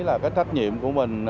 là cái trách nhiệm của mình